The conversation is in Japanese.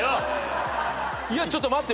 いやちょっと待って。